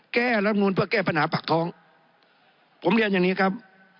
รับนูลเพื่อแก้ปัญหาปากท้องผมเรียนอย่างนี้ครับ